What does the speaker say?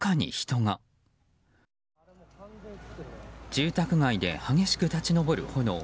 住宅街で激しく立ち上る炎。